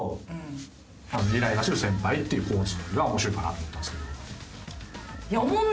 イライラする先輩っていう構図が面白いかなと思ったんですけど。